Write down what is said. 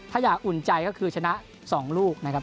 ถ้าอยากอุ่นใจก็คือชนะ๒ลูกนะครับ